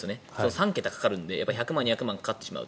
３桁かかるので１００万、２００万かかるので。